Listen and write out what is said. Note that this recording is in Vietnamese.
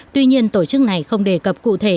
tuy nhiên tổ chức này không đề cập cụ thể